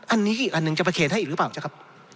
อันนี้อีกอันนึงจะมาเขียนให้อีกหรือเปล่าครับ